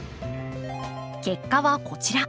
結果はこちら。